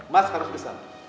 mas harus ke sana